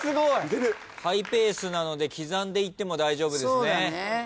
ハイペースなので刻んでいっても大丈夫ですね。